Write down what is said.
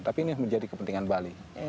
tapi ini menjadi kepentingan bali